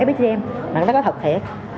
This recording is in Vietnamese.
fxtm mà nó có thật thiệt